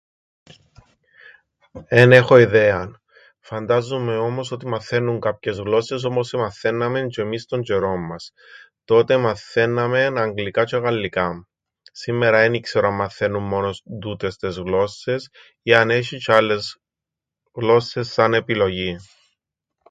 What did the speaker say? Εν έχω ιδέαν. Φαντάζουμαι όμως ότι μαθαίννουν κάποιες γλώσσες όπως εμαθαίνναμεν τζ̆' εμείς τον τζ̆αιρόν μας. Τότε εμαθαίνναμεν αγγλικά τζ̆αι γαλλικά. Σήμμερα εν ι-ξέρω αν μαθαίννουν μόνον τούτες τες γλώσσες ή αν έσ̆ει τζ̆' άλλες γλώσσες σαν επιλογήν.